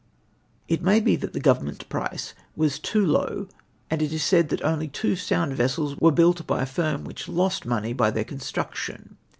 " It may he that ihe Goveniment 'price, uris too knv, and it is said that the only two sound vessels 'trere built by a firm vdiich lost money by their construction.